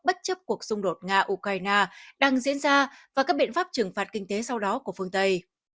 bất chấp cuộc xung đột nga ukraine đang diễn ra và các biện pháp trừng phạt kinh tế sau đó của phương tây